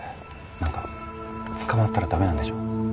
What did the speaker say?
なんか捕まったらダメなんでしょ？